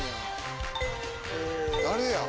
誰や？